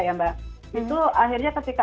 itu akhirnya ketika